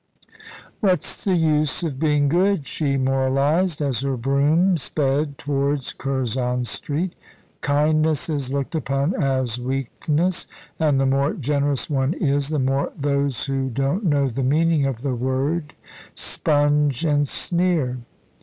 "What's the use of being good?" she moralised, as her brougham sped towards Curzon Street. "Kindness is looked upon as weakness, and the more generous one is, the more those who don't know the meaning of the word sponge and sneer.